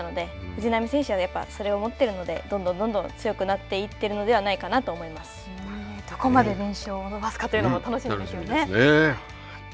藤波選手はそれを持っているので、どんどんどんどん強くなっているどこまで連勝を伸ばすかというのも楽しみですね。